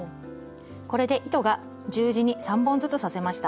これで糸が十字に３本ずつ刺せました。